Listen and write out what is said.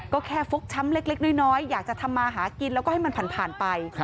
ก็แค่ฟกช้ำเล็กน้อยอยากจะทำมาหากินแล้วก็ให้มันผ่านไป